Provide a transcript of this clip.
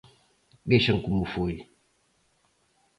Vexan como foi.